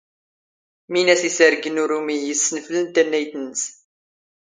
ⵎⵉⵏ ⴰⵙ ⵉⵙⴰⵔⴳⵏ ⵓⵔ ⵓⵎⵉ ⵉⵙⵙⵏⴼⵍ ⵜⴰⵏⵏⴰⵢⵜ ⵏⵏⵙ.